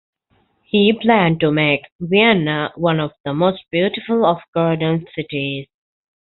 He planned to make Vienna one of the most beautiful of garden cities.